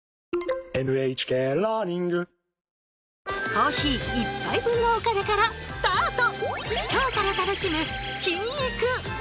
コーヒー１杯分のお金からスタート！